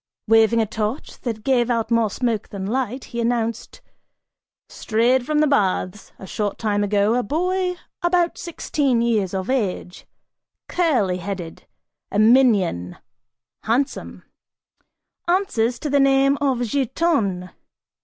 Waving a torch that gave out more smoke than light, he announced: "Strayed from the baths, a short time ago, a boy about sixteen years of age, curly headed, a minion, handsome, answers to the name of Giton.